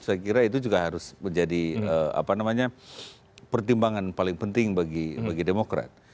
saya kira itu juga harus menjadi pertimbangan paling penting bagi demokrat